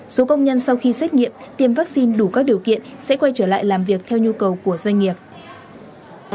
số công nhân sau khi xét nghiệm tiêm vaccine đủ các điều kiện sẽ quay trở lại làm việc theo nhu cầu của xã quang châu